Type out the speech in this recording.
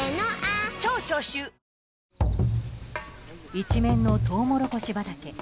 一面のトウモロコシ畑。